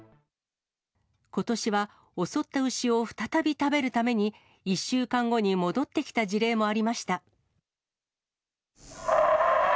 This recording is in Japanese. ことしは、襲った牛を再び食べるために、１週間後に戻ってきた事例もありました。